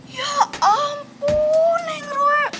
ya ampun neng rue